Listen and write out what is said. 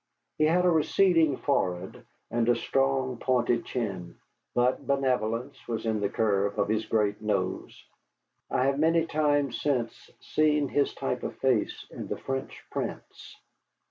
He had a receding forehead and a strong, pointed chin; but benevolence was in the curve of his great nose. I have many times since seen his type of face in the French prints.